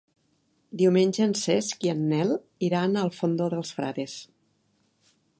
Diumenge en Cesc i en Nel iran al Fondó dels Frares.